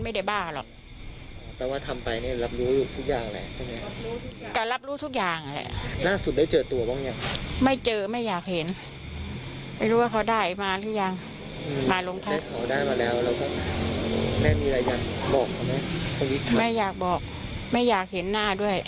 ไม่ต้องมาเป็นน้องอีกเลยนะ